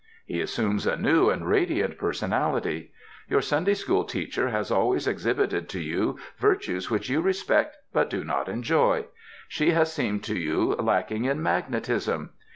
He assumes a new and radiant person ality. Your Sunday school teacher has always ex hibited to you virtues which you respect but do not enjoy; she has seemed to you lacking in magnetism.